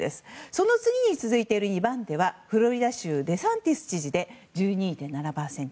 その次に続いている２番手はフロリダ州デサンティス知事で１２．７％。